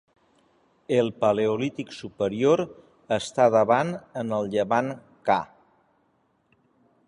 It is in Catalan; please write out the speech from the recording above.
El paleolític superior està datat en el Llevant ca.